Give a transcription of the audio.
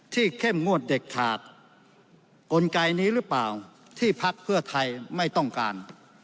เข้มงวดเด็ดขาดกลไกนี้หรือเปล่าที่พักเพื่อไทยไม่ต้องการ